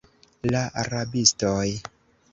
La rabistoj.